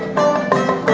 bersama dengan bapak ibu